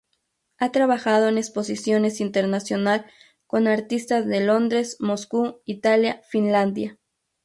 Ha trabajado en exposiciones internacional con artistas de Londres, Moscú, Italia, Finlandia...